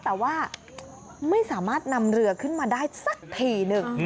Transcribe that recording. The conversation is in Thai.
แต่ว่าไม่สามารถนำเรือขึ้นมาได้สักทีหนึ่ง